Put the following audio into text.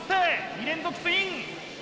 ２連続ツイン！